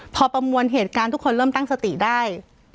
พอประมวลเหตุการณ์ทุกคนเริ่มตั้งสติได้